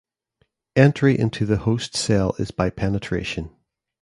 Entry into the host cell is by penetration.